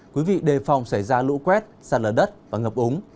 quý vị đề phòng xảy ra lũ quét xa đỡ đất và ngập ống